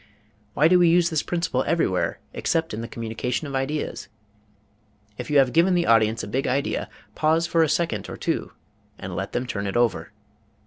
Why do we use this principle everywhere except in the communication of ideas? If you have given the audience a big idea, pause for a second or two and let them turn it over.